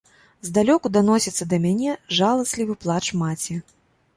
Здалёку даносіцца да мяне жаласлівы плач маці.